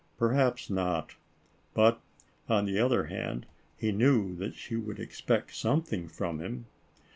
Perhaps not; but, on the other hand, he knew that she would expect something from him.